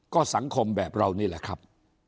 ก็สังคมแบบเรานี่แหละครับ